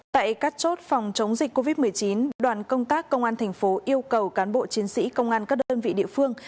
tại các chốt phòng chống dịch covid một mươi chín đoàn công tác công an thành phố yêu cầu cán bộ chiến sĩ công an các đơn vị địa phương